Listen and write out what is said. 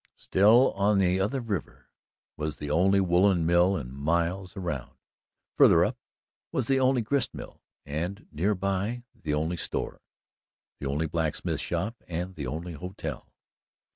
Still on the other river was the only woollen mill in miles around; farther up was the only grist mill, and near by was the only store, the only blacksmith shop and the only hotel.